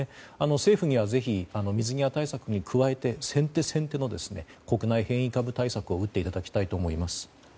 政府にはぜひ、水際対策に加えて先手、先手の国内変異株対策を打っていただきたいと思います。